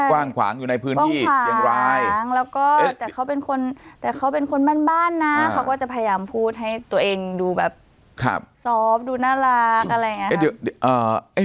ป้องผลาแล้วก็แต่เขาเป็นคนบ้านนะเขาก็จะพยายามพูดให้ตัวเองดูแบบซอฟต์ดูน่ารักอะไรอย่างนี้ครับ